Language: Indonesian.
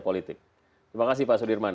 politik terima kasih pak sudirman